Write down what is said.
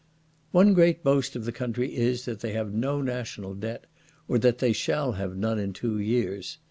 _" One great boast of the country is, that they have no national debt, or that they shall have none in two years.